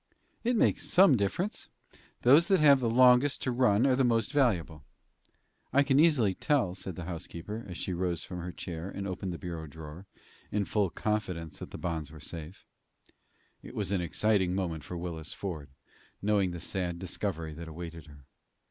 "It makes some difference. Those that have longest to run are most valuable." "I can easily tell," said the housekeeper, as she rose from her chair and opened the bureau drawer, in full confidence that the bonds were safe. It was an exciting moment for Willis Ford, knowing the sad discovery that awaited her.